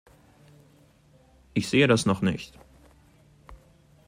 Ich sehe das noch nicht.